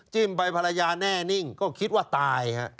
ไปภรรยาแน่นิ่งก็คิดว่าตายฮะ